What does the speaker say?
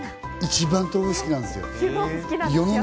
一番豆腐が好きなんですよ。